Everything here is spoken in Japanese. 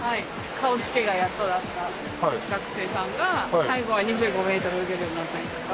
顔つけがやっとだった学生さんが最後は２５メートル泳げるようになったりとか。